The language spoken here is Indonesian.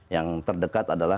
yang terdekat adalah